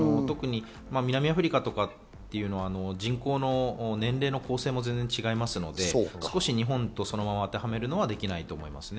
南アフリカというのは人口の年齢の構成も全然違いますので、日本に当てはめることはできないと思いますね。